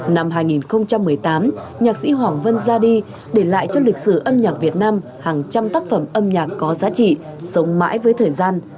năm hai nghìn một mươi tám nhạc sĩ hoàng vân ra đi để lại cho lịch sử âm nhạc việt nam hàng trăm tác phẩm âm nhạc có giá trị sống mãi với thời gian